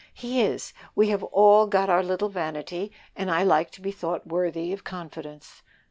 "He is; we have all got our little vanity, and like to be thought worthy of confidence."